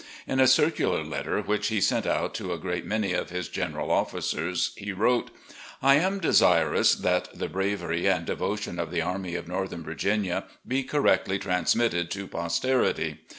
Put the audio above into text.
In a circular letter which he sent out to a great many of his general officers, he wrote: "I am desirous that the bravery and devotion of the Army of Northern Virginia be correctly transmitted to posterity.